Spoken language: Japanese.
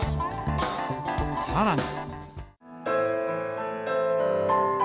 さらに。